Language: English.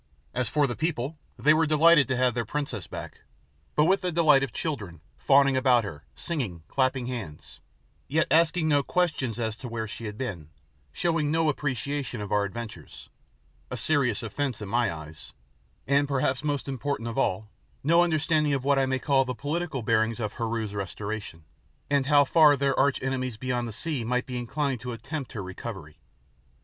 As for the people, they were delighted to have their princess back, but with the delight of children, fawning about her, singing, clapping hands, yet asking no questions as to where she had been, showing no appreciation of our adventures a serious offence in my eyes and, perhaps most important of all, no understanding of what I may call the political bearings of Heru's restoration, and how far their arch enemies beyond the sea might be inclined to attempt her recovery.